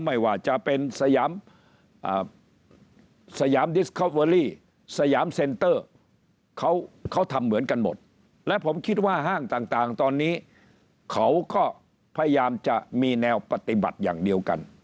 ไม่ว่าจะเป็นสยามสยามดิสคอเวอรี่สยามเซ็นเตอร์เขาทำเหมือนกันหมดและผมคิดว่าห้างต่างตอนนี้เขาก็พยายามจะมีแนวปฏิบัติอย่างเดียวกัน